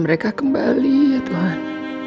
mereka kembali ya tuhan